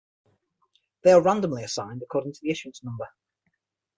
They are randomly assigned according to the issuance number.